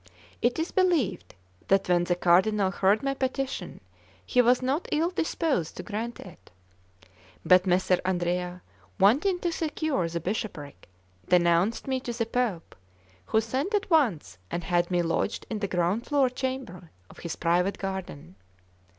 It is believed that when the Cardinal heard my petition he was not ill disposed to grant it; but Messer Andrea, wanting to secure the bishopric, denounced me to the Pope, who sent at once and had me lodged in the ground floor chamber of his private garden.